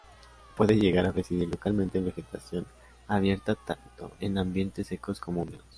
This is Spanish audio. Pueden llegar a residir localmente en vegetación abierta tanto en ambientes secos como húmedos.